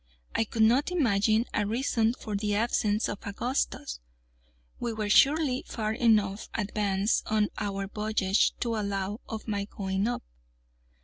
I could not imagine a reason for the absence of Augustus. We were surely far enough advanced on our voyage to allow of my going up.